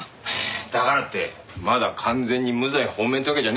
だからってまだ完全に無罪放免ってわけじゃねえんだろ。